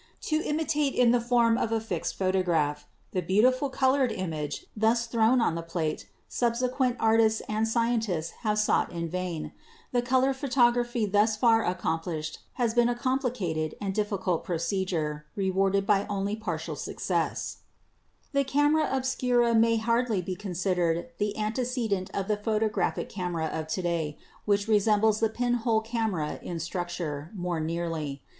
To imitate in the form of a fixed photograph the beautiful colored image thus thrown on the plate subse quent artists and scientists have sought in vain ; the "color photography" thus far accomplished has been a compli cated and difficult procedure, rewarded by only partial success. 94 PHYSICS The camera obscura may hardly be considered the ante cedent of the photographic camera of to day, which re sembles the pin hole camera in structure more nearly.